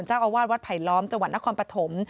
จนจักรอวาดวัดไผลล้อมจังหวัดนครปฐม